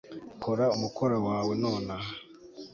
kora umukoro wawe nonaha